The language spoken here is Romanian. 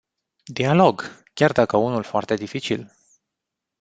Dialog, chiar dacă unul foarte dificil.